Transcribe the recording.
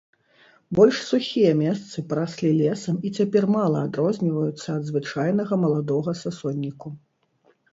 Больш сухія месцы параслі лесам і цяпер мала адрозніваюцца ад звычайнага маладога сасонніку.